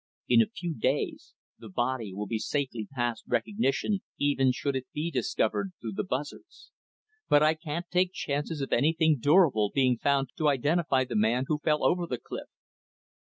In a few days, the body will be safely past recognition, even should it be discovered through the buzzards. But I can't take chances of anything durable being found to identify the man who fell over the cliff."